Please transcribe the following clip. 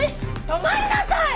止まりなさい！